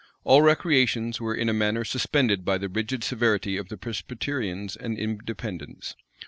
All recreations were in a manner suspended by the rigid severity of the Presbyterians and Independents.